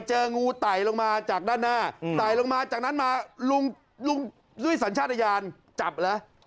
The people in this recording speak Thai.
เจองูไต่ลงมาจากด้านหน้าไต่ลงมาจากนั้นมาลุงด้วยสัญชาติยานจับเหรอ